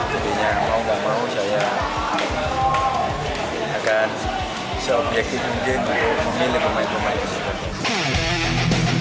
jadi mau tidak mau saya akan seobjektif mungkin untuk memilih pemain pemain